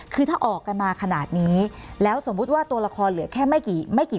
คือถ้าออกกันมาขนาดนี้แล้วสมมุติว่าตัวละครเหลือแค่ไม่กี่ไม่กี่